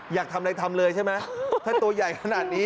อยากทำอะไรทำเลยใช่ไหมถ้าตัวใหญ่ขนาดนี้